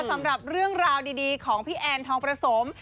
สำหรับเรื่องราวดีของพี่แอนทองประสม